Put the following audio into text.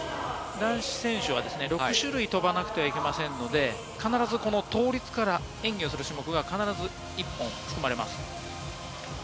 男子選手は６種類飛ばなくてはいけませんので、必ず倒立から演技をする種目が１本含まれます。